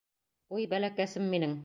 Уй, бәләкәсем минең.